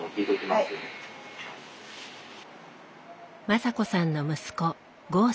雅子さんの息子剛さん。